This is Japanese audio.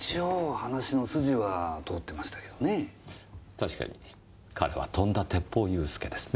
確かに彼はとんだ「鉄砲勇助」ですね。